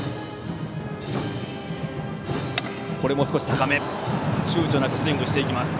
高め、ちゅうちょなくスイングしていきます。